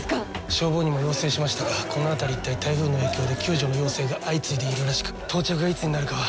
消防にも要請しましたがこの辺り一帯台風の影響で救助の要請が相次いでいるらしく到着がいつになるかは。